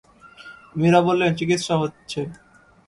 মীরা বললেন, চিকিৎসা হচ্ছে।